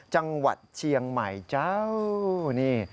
จังหวัดเชียงใหม่เจ้านี่